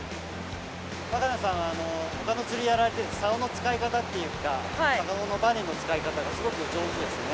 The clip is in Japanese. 和可菜さんは他の釣りやられててサオの使い方っていうか体のバネの使い方がすごく上手ですね。